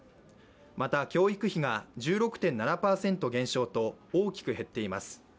また教育費が１６．７％減少と大きく減っています。